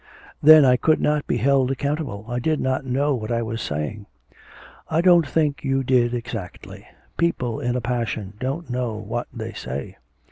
'Then I could not be held accountable, I did not know what I was saying.' 'I don't think you did exactly; people in a passion don't know what they say!'